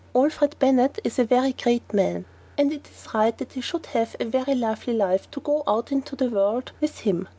Alfred Bennett is a very great man, and it is right that he should have a very lovely wife to go out into the world with him.